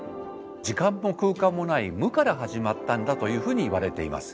時間も空間もない無から始まったんだというふうにいわれています。